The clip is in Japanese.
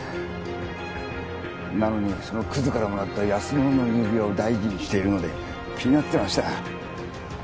なのにそのクズからもらった安物の指輪を大事にしているので気になってました。